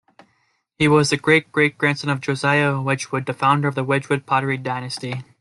He was the great-great-grandson of Josiah Wedgwood, the founder of the Wedgwood pottery dynasty.